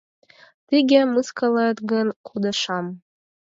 — Тыге мыскылет гын, кудашам.